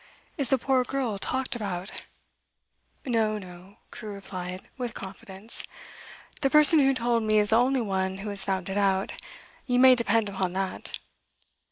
Is the poor girl talked about?' 'No, no,' Crewe replied, with confidence. 'The person who told me is the only one who has found it out; you may depend upon that.